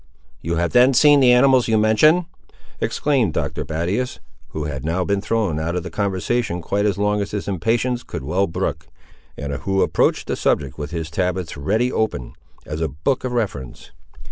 "You have then seen the animals you mention!" exclaimed Dr. Battius, who had now been thrown out of the conversation quite as long as his impatience could well brook, and who approached the subject with his tablets ready opened, as a book of reference.